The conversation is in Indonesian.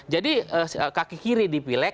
jadi kaki kiri di pileg